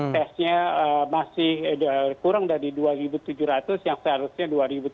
tesnya masih kurang dari dua tujuh ratus yang seharusnya dua tujuh ratus